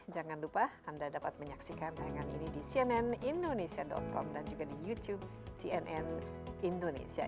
jangan lupa anda dapat menyaksikan tayangan ini di cnnindonesia com dan juga di youtube cnn indonesia